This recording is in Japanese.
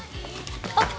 あっ！